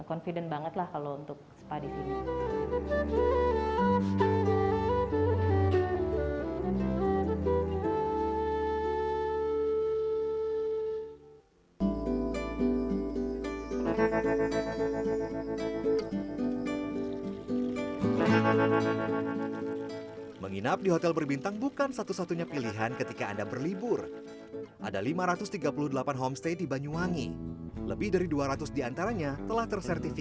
confident banget lah kalau untuk spa di sini